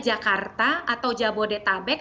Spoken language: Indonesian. jakarta atau jabodetabek